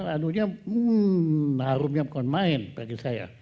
anunya harumnya bukan main bagi saya